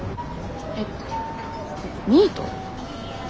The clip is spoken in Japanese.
えっニート？